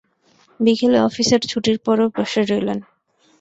বিকেলে অফিসের ছুটির পরও বসে রইলেন।